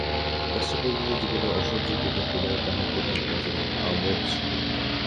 মাস্টার-পণ্ডিতের জীবন অসহ্য করিয়া তোলাই তাহার প্রধান কাজ এবং আমোদ ছিল।